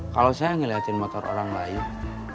kalau saya ngeliatin motor orang lain